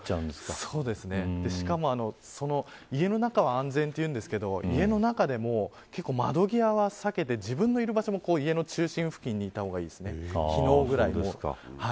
しかも家の中は安全と言いますが家の中でも、窓際は避けて自分のいる場所も家の中心付近の方がいいです。